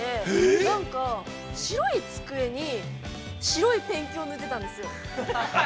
なんか、白い机に白いペンキを塗ってたんですよ。